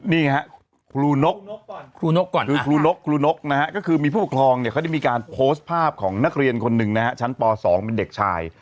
นี่ฮะครูนกครูนกก่อนคือครูนกครูนกนะฮะก็คือมีผู้ปกครองเนี่ยเขาได้มีการโพสต์ภาพของนักเรียนคนหนึ่งนะฮะชั้นป๒เป็นเด็กชาย